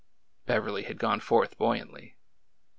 Beverly had gone forth buoyantly.